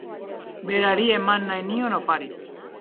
Berari eman nahi nion opari.